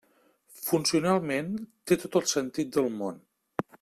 Funcionalment té tot el sentit del món.